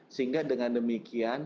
sehingga dengan demikian